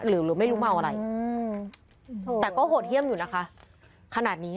หรือไม่รู้เมาอะไรแต่ก็โหดเยี่ยมอยู่นะคะขนาดนี้